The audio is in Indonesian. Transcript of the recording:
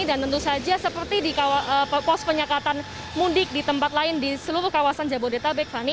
dan tentu saja seperti di pos penyekatan mundik di tempat lain di seluruh kawasan jabodetabek fani